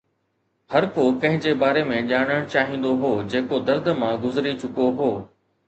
هر ڪو ڪنهن جي باري ۾ ڄاڻڻ چاهيندو هو جيڪو درد مان گذري چڪو هو